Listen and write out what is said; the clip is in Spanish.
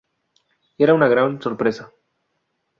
Era una gran sorpresa.